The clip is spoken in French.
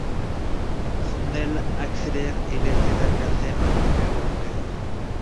Snell accélère et laisse ses adversaires à plusieurs longueurs.